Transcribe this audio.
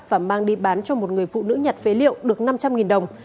và mang đi bán cho một người phụ nữ nhặt phế liệu được năm trăm linh đồng